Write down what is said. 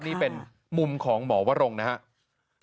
นี่เป็นมุมของหมอวรงนะครับ